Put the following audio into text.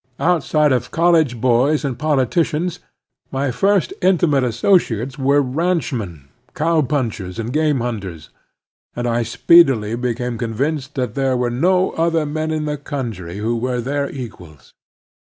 Outside of college boys and politicians my first intimate asso ciates were ranchmen, cow punchers, and game 72 The Strenuous Life hunters, and I speedily became convinced that there were no other men in the country who were their equals.